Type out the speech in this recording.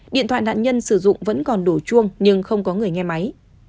điện thoại nạn nhân sử dụng vẫn còn đủ chuông nhưng không có người nghe máy